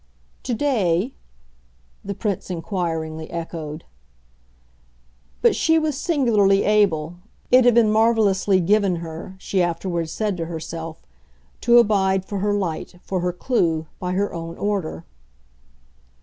"To day?" the Prince inquiringly echoed. But she was singularly able it had been marvellously "given" her, she afterwards said to herself to abide, for her light, for her clue, by her own order.